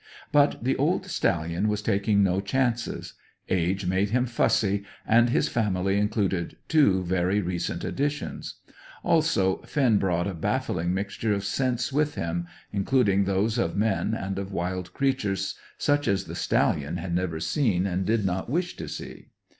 But the old stallion was taking no chances. Age made him fussy, and his family included two very recent additions. Also, Finn brought a baffling mixture of scents with him, including those of men and of wild creatures such as the stallion had never seen and did not wish to see.